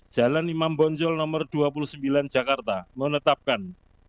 jalan imam bonjol nomor dua puluh sembilan jakarta menetapkan